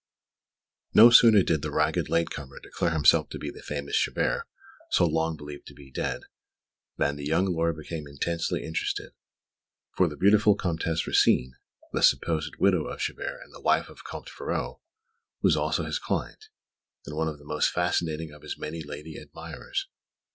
No sooner did the ragged late comer declare himself to be the famous Chabert so long believed to be dead, than the young lawyer became intensely interested; for the beautiful Comtesse Rosine, the supposed widow of Chabert and the wife of Comte Ferraud, was also his client, and one of the most fascinating of his many lady admirers.